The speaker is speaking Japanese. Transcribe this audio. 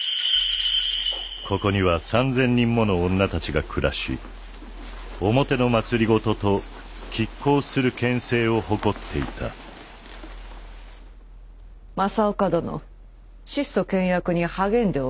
ここには３，０００人もの女たちが暮らし表の政と拮抗する権勢を誇っていた政岡殿質素倹約に励んでおろうな。